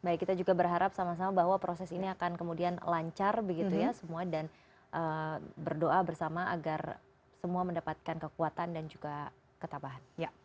baik kita juga berharap sama sama bahwa proses ini akan kemudian lancar begitu ya semua dan berdoa bersama agar semua mendapatkan kekuatan dan juga ketabahan